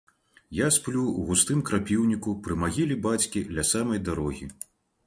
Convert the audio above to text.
Я сплю ў густым крапіўніку пры магіле бацькі ля самай дарогі.